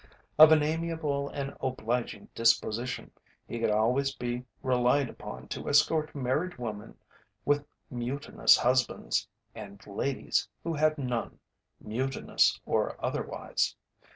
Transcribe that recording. Of an amiable and obliging disposition, he could always be relied upon to escort married women with mutinous husbands, and ladies who had none, mutinous or otherwise.